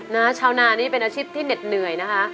ชาวนานี่เป็นอาชีพที่เหน็ดเหนื่อยนะคะ